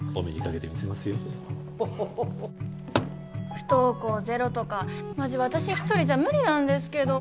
不登校ゼロとかマジわたし一人じゃ無理なんですけど。